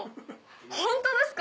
ホントですか？